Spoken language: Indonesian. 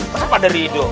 masa pak d rido